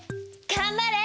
頑張れ！